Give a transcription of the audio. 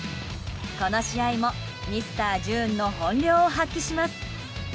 この試合もミスター・ジューンの本領を発揮します。